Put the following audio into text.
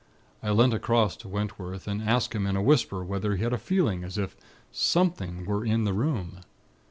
I leant across to Wentworth, and asked him in a whisper whether he had a feeling as if something were in the room.